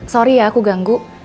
sorry ya aku ganggu